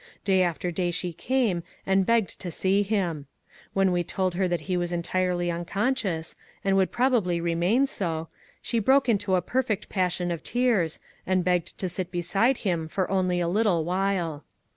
Day after day she came, and begged to see him. When we told her that he was entirely uncon scious, and would probably remain so, she broke into a perfect passion of tears, and begged to sit beside him for only a little while.